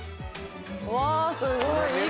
うわすごい。